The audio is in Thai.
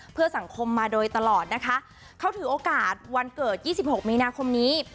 เพื่อสังคมมาโดยตลอดนะคะเขาถือโอกาสวันเกิด๒๖มีนาคมนี้